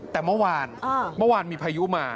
แต่เมื่อวานเมื่อวานมีพายุมา